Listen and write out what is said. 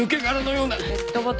ペットボトル。